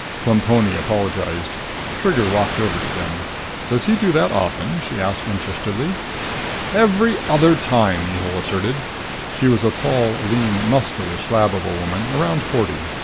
Plemponi apologized. Trigger walked over to them. "Does he do that often?" she asked interestedly. "Every other time!" Mihul asserted. She was a tall, lean, muscular slab of a woman, around forty.